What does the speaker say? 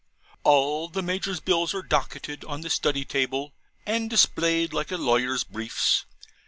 All the Major's bills are docketed on the Study table and displayed like a lawyer's briefs.